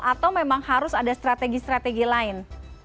atau memang harus ada strategi strategi lain